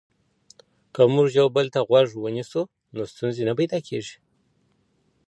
که موږ یو بل ته غوږ ونیسو نو ستونزې نه پیدا کيږي.